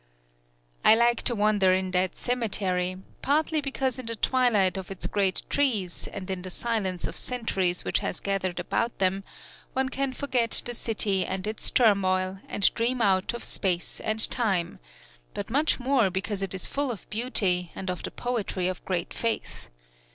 I like to wander in that cemetery, partly because in the twilight of its great trees, and in the silence of centuries which has gathered about them, one can forget the city and its turmoil, and dream out of space and time, but much more because it is full of beauty, and of the poetry of great faith.